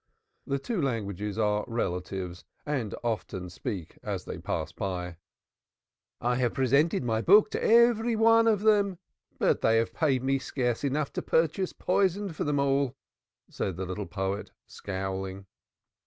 The two languages are relatives and often speak as they pass by. "I have presented my book to every one of them, but they have paid me scarce enough to purchase poison for them all," said the little poet scowling.